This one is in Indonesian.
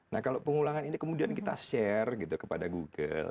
nah kalau pengulangan ini kemudian kita share gitu kepada google